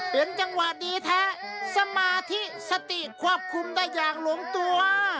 เป็นจังหวะดีแท้สมาธิสติควบคุมได้อย่างหลงตัว